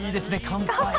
乾杯！